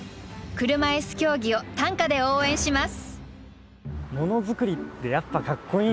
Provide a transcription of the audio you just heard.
車いす競技を短歌で応援します。